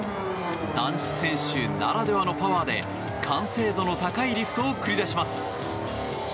男子選手ならではのパワーで完成度の高いリフトを繰り出します。